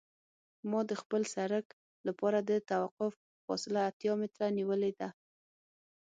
ما د خپل سرک لپاره د توقف فاصله اتیا متره نیولې ده